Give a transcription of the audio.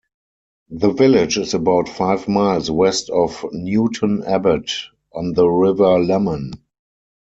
The village is about five miles west of Newton Abbot, on the River Lemon.